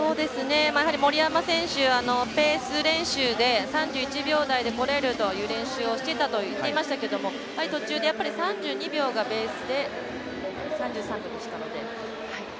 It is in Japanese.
森山選手ペース練習で３１秒台でこれるという練習をしていたと言っていましたけれど、途中で３２秒がベースで３３秒でしたので。